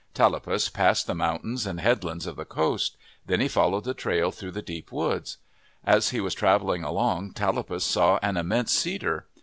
Tallapus passed the mountains and headlands of the coast. Then he followed the trail through the deep woods. As he was travelling along, Tallapus saw an immense cedar.